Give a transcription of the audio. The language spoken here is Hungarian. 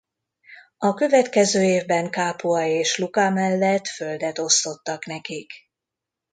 A következő évben Capua és Luca mellett földet osztottak nekik.